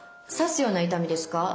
刺すような痛みですか？